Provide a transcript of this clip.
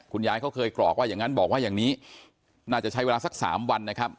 ยายเขาเคยกรอกว่าอย่างนั้นบอกว่าอย่างนี้น่าจะใช้เวลาสัก๓วันนะครับ